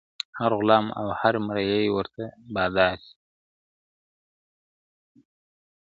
هر غلام او هر مریی ورته بادار سي ,